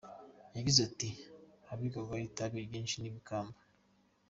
Yagize ati “ Hahingwaga itabi ryinshi ry’ibikamba.